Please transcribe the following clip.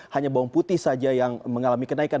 hanya bawang putih saja yang mengalami kenaikan